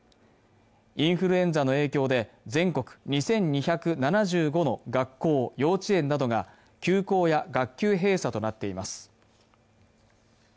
インフルエンザの影響で、全国２２７５の学校、幼稚園などが休校や学級閉鎖となっています。